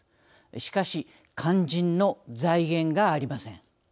しかし、肝心の財源がありません。